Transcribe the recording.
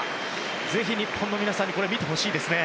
ぜひ日本の皆さんに見てほしいですね。